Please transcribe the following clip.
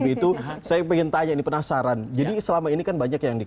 itu bagaimana menurut pak said bin sudir